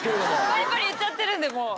バリバリいっちゃってるんでもう。